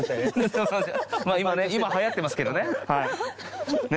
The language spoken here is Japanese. まぁ今ね今はやってますけどね。